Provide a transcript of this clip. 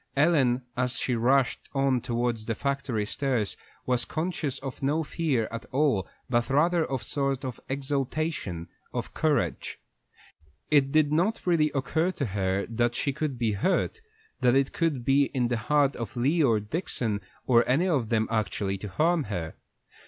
Ellen, as she rushed on towards the factory stairs, was conscious of no fear at all, but rather of a sort of exaltation of courage. It did not really occur to her that she could be hurt, that it could be in the heart of Lee or Dixon, or any of them, actually to harm her.